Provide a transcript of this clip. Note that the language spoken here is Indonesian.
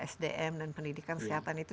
sdm dan pendidikan kesehatan itu